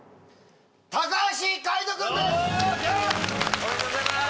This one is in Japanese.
おめでとうございます！